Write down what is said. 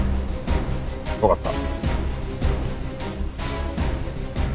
わかった。